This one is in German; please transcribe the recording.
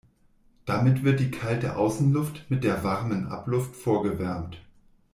Damit wird die kalte Außenluft mit der warmen Abluft vorgewärmt.